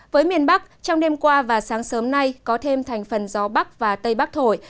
với miền bắc trong đêm qua và sáng sớm nay có thêm thành phần gió bắc và tây bắc thổi